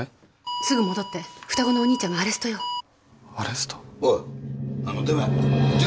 すぐ戻って双子のお兄ちゃんがアレストよアレスト？何の電話や？